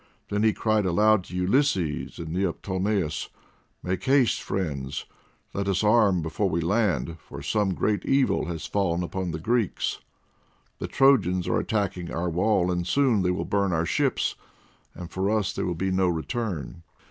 Then he cried aloud to Ulysses and Neoptolemus, "Make haste, friends, let us arm before we land, for some great evil has fallen upon the Greeks. The Trojans are attacking our wall, and soon they will burn our ships, and for us there will be no return."